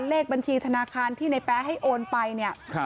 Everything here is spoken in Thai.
เลขบัญชีธนาคารที่ในแป๊ให้โอนไปเนี่ย